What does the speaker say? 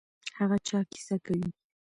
هغه چا کیسه کوي.